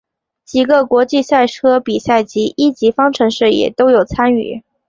几个国际赛车比赛及一级方程式也都有参与。